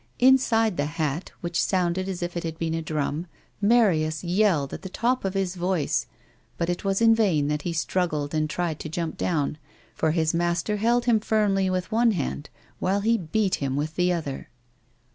Inside the hat, which sounded as if it had been a drum, Marius yelled at the top of his voice, but it was in vain that he struggled and tried to jump down, for his master held him firmly with one hand while he beat him with the other.